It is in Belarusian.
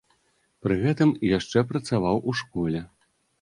Пры гэтым яшчэ працаваў у школе.